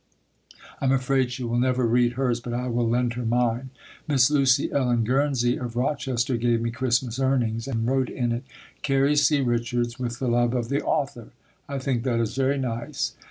I am afraid she will never read hers but I will lend her mine. Miss Lucy Ellen Guernsey, of Rochester, gave me "Christmas Earnings" and wrote in it, "Carrie C. Richards with the love of the author." I think that is very nice.